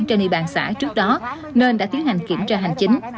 trên địa bàn xã trước đó nên đã tiến hành kiểm tra hành chính